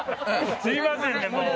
すいませんねもう！